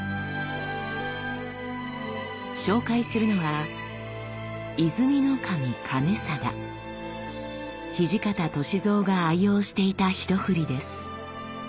紹介するのは土方歳三が愛用していたひとふりです。